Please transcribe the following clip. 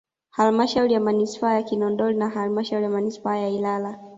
Halmashauri ya Manispaa ya Kinondoni na halmasahauri ya manispaa ya Ilala